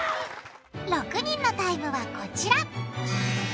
６人のタイムはこちら。